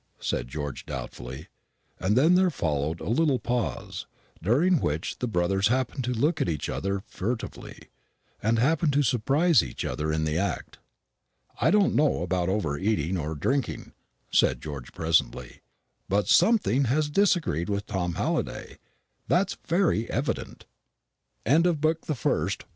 said George doubtfully; and then there followed a little pause, during which the brothers happened to look at each other furtively, and happened to surprise each other in the act. "I don't know about over eating or drinking," said George presently; "but something has disagreed with Tom Halliday, that's very evident." CHAPTER V. THE LETTER FROM THE "ALLIANCE" OFFICE.